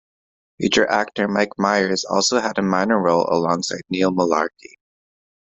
Future actor Mike Myers also had a minor role alongside Neil Mullarkey.